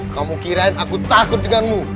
kamu kirain aku takut denganmu